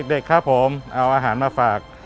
เด็กครับผมเอาอาหารมาฝาก